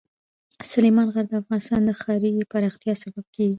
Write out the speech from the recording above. سلیمان غر د افغانستان د ښاري پراختیا سبب کېږي.